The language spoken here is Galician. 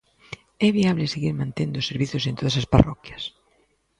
É viable seguir mantendo os servizos en todas as parroquias?